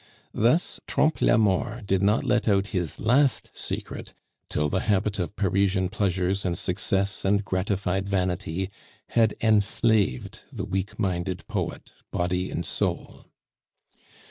Thus Trompe la Mort did not let out his last secret till the habit of Parisian pleasures and success, and gratified vanity, had enslaved the weak minded poet body and soul.